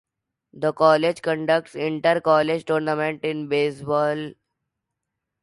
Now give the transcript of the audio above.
The college conducts inter-college tournaments in basketball, volleyball, cricket and ball badminton.